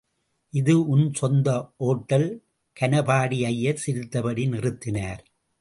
இது உன் சொந்த ஓட்டல்!.. கனபாடி ஐயர் சிரித்தபடி நிறுத்தினார்.